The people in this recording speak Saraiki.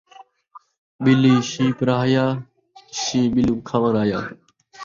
ٻلی شینھ پڑھایا، شینھ ٻلی کوں کھاوݨ آیا